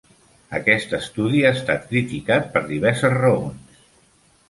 Aquest estudi ha estat criticat per diverses raons.